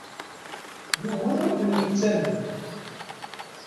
Yiwen ur ken-yettamen.